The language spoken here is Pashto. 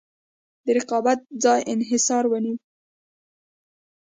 د رقابت ځای انحصار ونیوه.